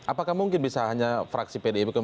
apakah mungkin bisa hanya fraksi pdip